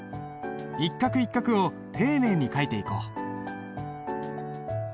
一画一画を丁寧に書いていこう。